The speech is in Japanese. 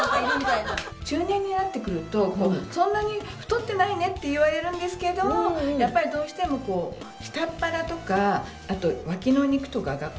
中年になってくるとこうそんなに太ってないねって言われるんですけどやっぱりどうしてもこう下っ腹とかあとわきの肉とかがやっぱり出てきて。